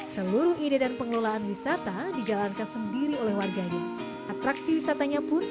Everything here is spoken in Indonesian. seluruh ide dan pengelolaan wisata dijalankan sendiri oleh warganya atraksi wisatanya pun